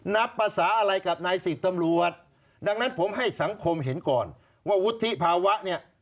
นับภาษาอะไรกับนายสิบตำรวจดังนั้นผมให้สังคมเห็นก่อนว่าวุฒิภาวะเนี่ย